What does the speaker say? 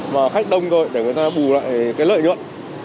mà khách đông thôi để người ta bù lại cái lợi nhuận